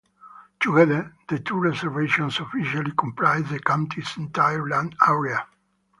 Together, the two reservations officially comprise the county's entire land area.